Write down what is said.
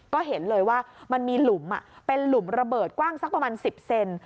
ก็เห็นเลยว่ามันมีหลุมเป็นหลุมระเบิดกว้างสักประมาณ๑๐เซน